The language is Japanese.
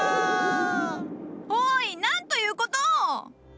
おいなんということを！